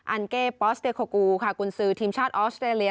อันเก้ปอสเตโคกูค่ะกุญซือทีมชาติออสเตรเลี